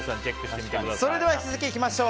それでは引き続きいきましょう。